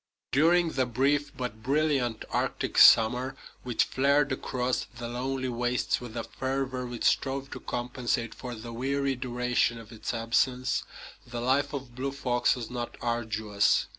During the brief but brilliant Arctic summer, which flared across the lonely wastes with a fervor which strove to compensate for the weary duration of its absence, the life of Blue Fox was not arduous.